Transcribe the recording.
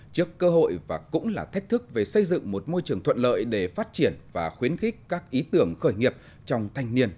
trước cơ hội và cũng là thách thức về xây dựng một môi trường thuận lợi để phát triển và khuyến khích các ý tưởng khởi nghiệp trong thanh niên